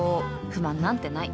不満なんてない